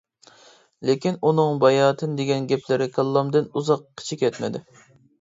لېكىن، ئۇنىڭ باياتىن دېگەن گەپلىرى كاللامدىن ئۇزاققىچە كەتمىدى.